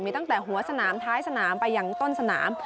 มีตั้งแต่หัวสนามท้ายสนามไปอย่างต้นสนาม